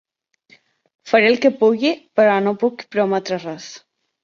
Faré el que pugui, però no puc prometre res.